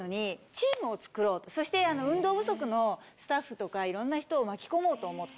そして運動不足のスタッフとかいろんな人を巻き込もうと思って。